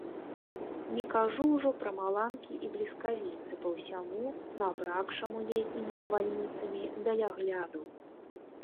Не кажу ўжо пра маланкі і бліскавіцы па ўсяму набракшаму летнімі навальніцамі далягляду.